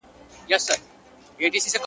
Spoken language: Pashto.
لار به وي ورکه له کاروانیانو -